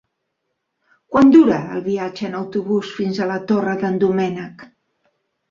Quant dura el viatge en autobús fins a la Torre d'en Doménec?